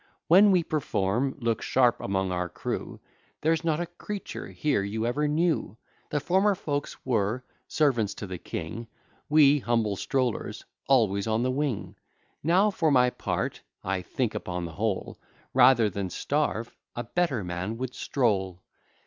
When we perform, look sharp among our crew, There's not a creature here you ever knew. The former folks were servants to the king; We, humble strollers, always on the wing. Now, for my part, I think, upon the whole, Rather than starve, a better man would stroll.